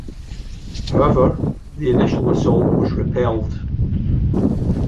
However, the initial assault was repelled.